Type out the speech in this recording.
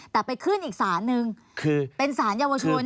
แต่ไปขึ้นอีกสารหนึ่งคือเป็นสารเยาวชน